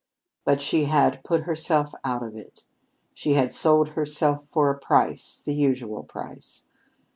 But she had put herself out of it. She had sold herself for a price the usual price.